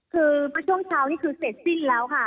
คือเมื่อช่วงเช้านี่คือเสร็จสิ้นแล้วค่ะ